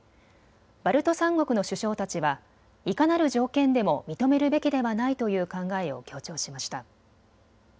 バルト三国の首相たちはいかなる条件でも認めるべきではないという考えを強調しました。